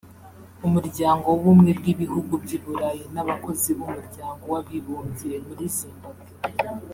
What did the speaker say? Umuryango w’Ubumwe bw’Ibihugu by’i Burayi n’abakozi b’Umuryango w’Abibumbye muri Zimbabwe